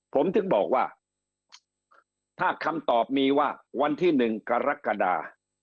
ผมถึงบอกว่าถ้าคำตอบมีว่าวันที่๑กรกฎา